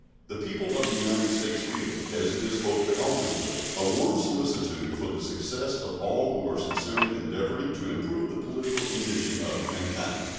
The people of the United States feel, as it is hoped they always will, a warm solicitude for the success of all who are sincerely endeavoring to improve the political condition of mankind.